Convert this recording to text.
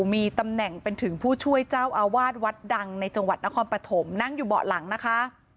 มีตำแหน่งเป็นถึงผู้ช่วยเจ้าอาวาสวัดดังในจังหวัดนครปฐมนั่งอยู่เบาะหลังนะคะ